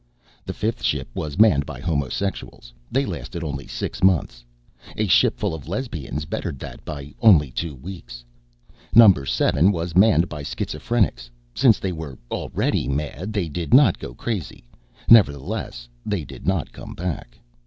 The fifth ship was manned by homosexuals. They lasted only six months. A ship full of lesbians bettered that by only two weeks. Number Seven was manned by schizophrenics. Since they were already mad, they did not go crazy. Nevertheless, they did not come back.